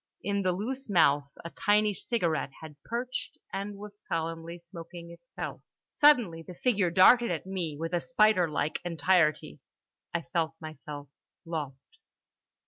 In the loose mouth a tiny cigarette had perched and was solemnly smoking itself. Suddenly the figure darted at me with a spiderlike entirety. I felt myself lost.